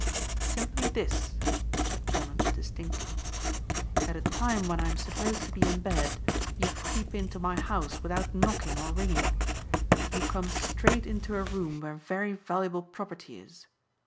"Simply this," said Drummond distinctly. "At a time when I am supposed to be in bed you creep into my house without knocking or ringing. You come straight into a room where very valuable property is.